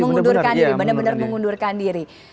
mengundurkan diri benar benar mengundurkan diri